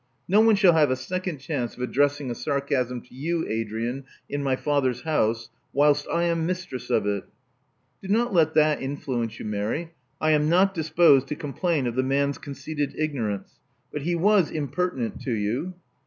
No one shall have a second chance of addressing a sarcasm to you, Adrian, in my father's house, whilst I am mistress of it. '' Do not let that influence you, Mary. I am not disposed to complain of the man's conceited ignorance. But he was impertinent to you."